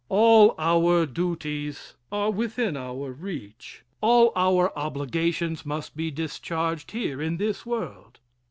All our duties are within our reach all our obligations must be discharged here, in this world.